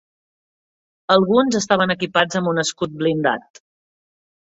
Alguns estaven equipats amb un escut blindat.